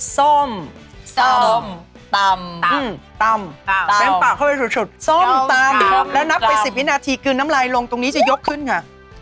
ส้มตำแป้งปากเข้าไปชุดส้มตำแล้วนับไป๑๐วินาทีคืนน้ำลายลงตรงนี้จะยกขึ้นค่ะ